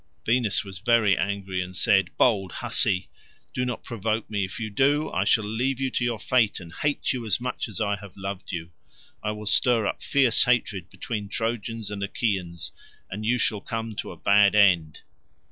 Venus was very angry, and said, "Bold hussy, do not provoke me; if you do, I shall leave you to your fate and hate you as much as I have loved you. I will stir up fierce hatred between Trojans and Achaeans, and you shall come to a bad end."